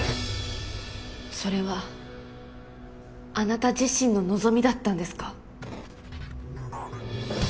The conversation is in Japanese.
それはあなた自身の望みだったんですか？